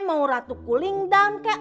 mau ratu cooling down kek